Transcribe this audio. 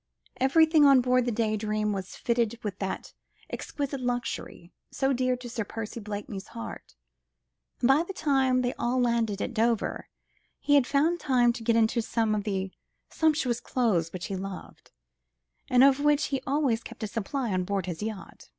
Everything on board the Day Dream was fitted with that exquisite luxury, so dear to Sir Percy Blakeney's heart, and by the time they all landed at Dover he had found time to get into some of the sumptuous clothes which he loved, and of which he always kept a supply on board his yacht.